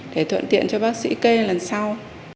để thuận tiện cho bác sĩ kê lần sau